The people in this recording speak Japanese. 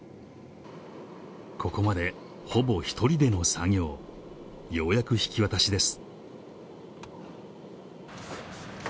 ここまでほぼ１人での作業ようやく引き渡しです